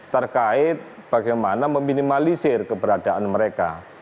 terkait bagaimana meminimalisir keberadaan mereka